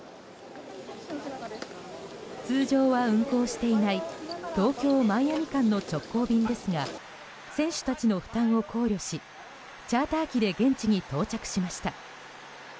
通常は運航していない東京マイアミ間の直行便ですが選手たちの負担を考慮しチャーター機で現地に到着しました。